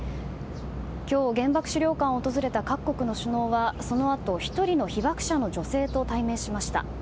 今日、原爆資料館を訪れた各国の首脳はそのあと１人の被爆者の女性と対面しました。